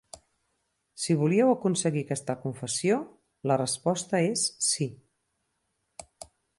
Si volíeu aconseguir aquesta confessió, la resposta és sí.